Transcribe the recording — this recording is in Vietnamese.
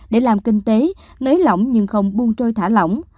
để làm kinh tế nới lỏng nhưng không buôn trôi thả lỏng